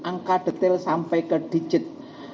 angka detail sampai ke digit